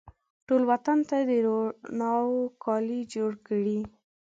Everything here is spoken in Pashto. ټول وطن ته د روڼاوو کالي جوړکړي